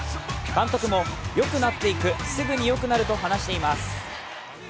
監督も良くなっていくすぐに良くなると話しています。